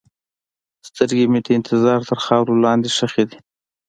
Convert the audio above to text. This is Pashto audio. سترګې مې د انتظار تر خاورو لاندې ښخې دي.